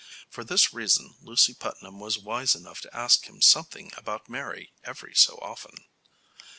For this reason Lucy Putnam was wise enough to ask him something about Mary every so often.